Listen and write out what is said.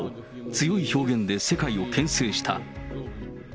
強い表現で世界をけん制した。